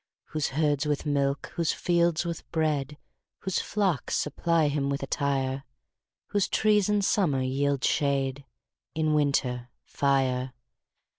Whose herds with milk, whose fields with bread, Whose flocks supply him with attire; Whose trees in summer yield shade, In winter, fire.